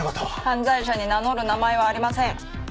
犯罪者に名乗る名前はありません。